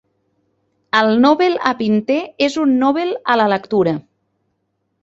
El Nobel a Pinter és un Nobel a la lectura.